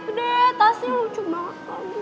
makin cantik deh tasnya lucu banget